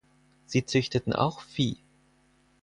Sie züchteten auch Vieh.